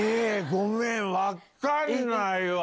ごめん分かんないわ。